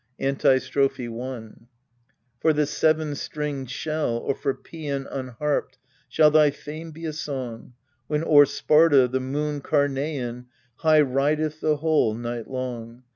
Antistrophe i For the seven stringed shell, or for paean Unharped, shall thy fame be a song, When o'er Sparta the moon Karnean High rideth the whole night long.